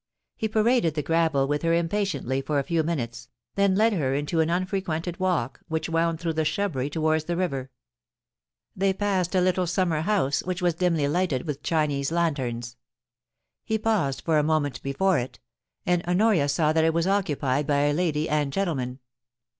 He paraded the gravel with her impatiently for a few minutes, then led her into an unfrequented walk which wound through the shrubbery towards the river. They passed a little summer house which was dimly lighted with Chinese lanterns; he paused for a moment before it, and Honoria saw that it was occupied by a lady and gentleman.